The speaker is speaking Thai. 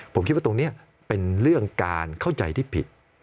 ผมคิดว่าตรงนี้เป็นเรื่องการเข้าใจที่ผิด